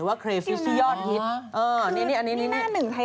สวัสดีค่าข้าวใส่ไข่